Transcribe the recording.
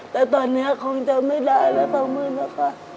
แต่ตอนนี้คงจะไม่ได้แล้วบางหมื่นนะคะ